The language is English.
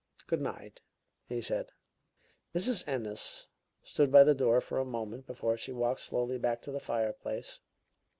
"Good night," he said. Mrs. Ennis stood by the door for a moment before she walked slowly back to the fireplace.